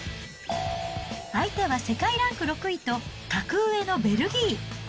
相手は世界ランク６位と、格上のベルギー。